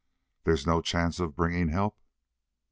"There's no chance of bringing help?"